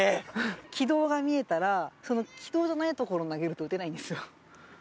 軌道が見えたら、その軌道じゃない所に投げると打てないんですよ。